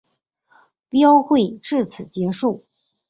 标会至此结束。